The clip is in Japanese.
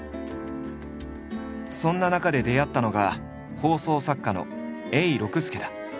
そんな中で出会ったのが放送作家の永六輔だ。